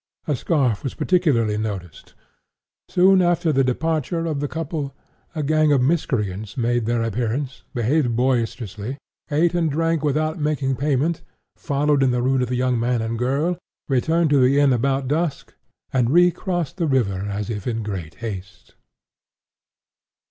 A scarf was particularly noticed. Soon after the departure of the couple, a gang of miscreants made their appearance, behaved boisterously, ate and drank without making payment, followed in the route of the young man and girl, returned to the inn about dusk, and re crossed the river as if in great haste.